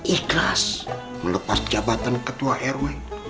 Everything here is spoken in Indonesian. ikhlas melepas jabatan ketua rw